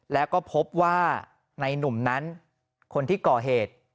แล้วก็พบว่าในนุ่มนั้นคนที่ก่อเหตุ